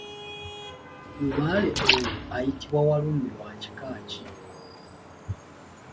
Lubaale oyo ayitibwa Walumbe wa kika ki?